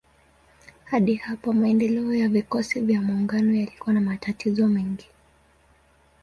Hadi hapa maendeleo ya vikosi vya maungano yalikuwa na matatizo mengi.